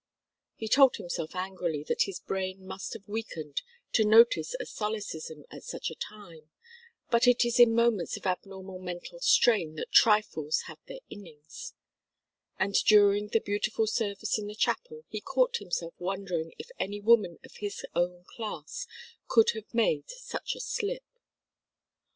He told himself angrily that his brain must have weakened to notice a solecism at such a time, but it is in moments of abnormal mental strain that trifles have their innings; and during the beautiful service in the chapel he caught himself wondering if any woman of his own class could have made such a slip.